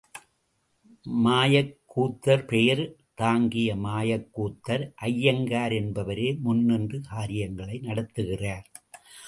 மாய்க்கூத்தர் பெயர் தாங்கிய மாயக்கூத்தர் அய்யங்கார் என்பவரே முன்னின்று காரியங்களை நடத்துகிறார்.